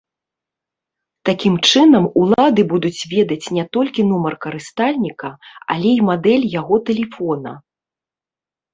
Такім чынам улады будуць ведаць не толькі нумар карыстальніка, але і мадэль яго тэлефона.